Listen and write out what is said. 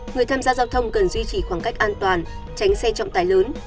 người tham gia giao thông cần duy trì khoảng cách an toàn tránh xe trọng tài lớn